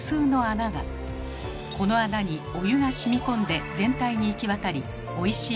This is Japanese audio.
この穴にお湯がしみ込んで全体に行き渡りおいしい